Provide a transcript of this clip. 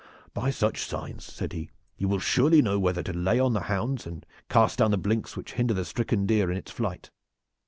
"By such signs," said he, "you will surely know whether to lay on the hounds and cast down the blinks which hinder the stricken deer in its flight.